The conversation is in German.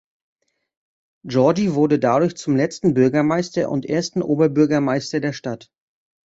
Georgi wurde dadurch zum letzten Bürgermeister und ersten Oberbürgermeister der Stadt.